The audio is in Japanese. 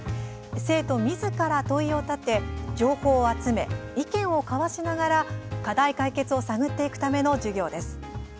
生徒みずから問いを立て情報を集め、意見を交わしながら課題解決を探っていくための授業です。